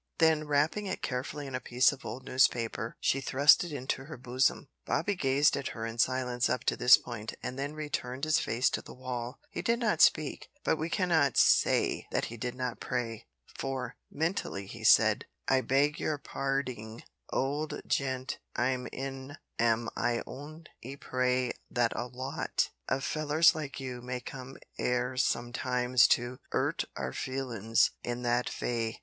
Then wrapping it carefully in a piece of old newspaper, she thrust it into her bosom. Bobby gazed at her in silence up to this point, and then turned his face to the wall. He did not speak, but we cannot say that he did not pray, for, mentally he said, "I beg your parding, old gen'l'm'n, an' I on'y pray that a lot of fellers like you may come 'ere sometimes to 'urt our feelin's in that vay!"